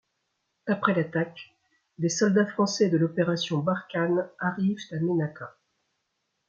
Après l'attaque, des soldats français de l'Opération Barkhane arrivent à Ménaka.